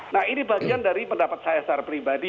nah ini bagian dari pendapat saya secara pribadi